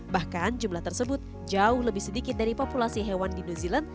bahkan jumlah tersebut jauh lebih sedikit dari populasi hewan di new zealand